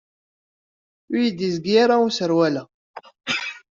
Ur iyi-d-yezgi ara userwal-a